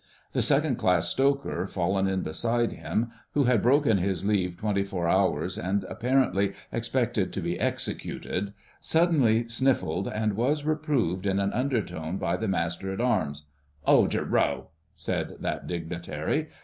The Second class Stoker fallen in beside him, who had broken his leave twenty four hours, and apparently expected to be executed, suddenly sniffled and was reproved in an undertone by the Master at Arms. "'Old yer row!" said that dignitary.